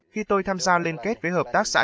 khi tôi tham gia liên kết với hợp tác xã